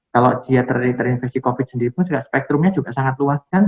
kalau dia terinfeksi covid sendiri pun spektrumnya juga sangat luas kan